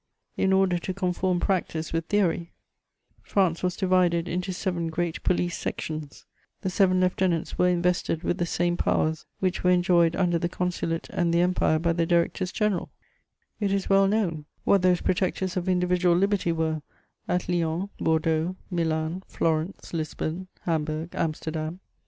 In order to conform practice with theory, France was divided into seven great police sections; the seven lieutenants were invested with the same powers which were enjoyed under the Consulate and the Empire by the directors general: it is well known what those protectors of individual liberty were at Lyons, Bordeaux, Milan, Florence, Lisbon, Hamburg, Amsterdam.